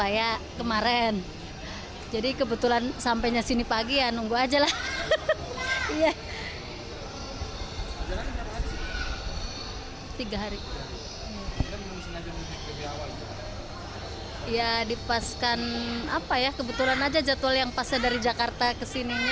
ya dipaskan apa ya kebetulan aja jadwal yang pasnya dari jakarta kesininya